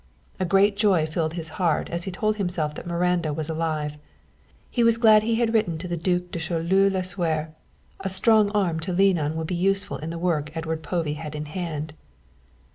A great joy filled his heart as he told himself that Miranda was alive. He was glad he had written to the Duc de Choleaux Lasuer, a strong arm to lean on would be useful in the work Edward Povey had in hand.